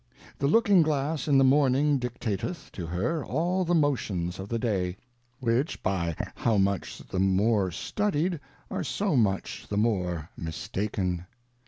The Looking glass in the Morning dictateth to her all the Motions of the Day, which by how much the more studied, are so much the more mistaken.